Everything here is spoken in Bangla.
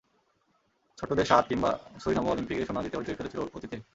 ছোট্ট দেশ শাদ কিংবা সুরিনামও অলিম্পিকে সোনা জিতে হইচই ফেলেছিল অতীতে।